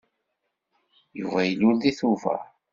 Yuba ilul deg Tubeṛ.